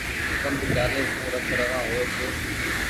پند چآلي سون رت روآن هووي ڇي۔